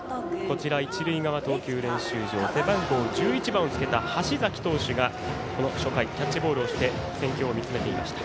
一塁側、投球練習場背番号１１をつけた橋崎投手が初回キャッチボールをして戦況を見つめていました。